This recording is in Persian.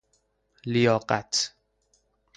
لیاقت